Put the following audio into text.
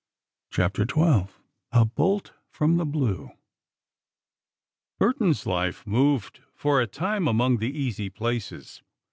CHAPTER XII A BOLT FROM THE BLUE Burton's life moved for a time among the easy places.